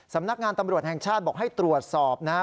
สำนักงานตำรวจแห่งชาติบอกให้ตรวจสอบนะฮะ